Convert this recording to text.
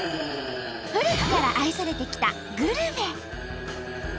古くから愛されてきたグルメ。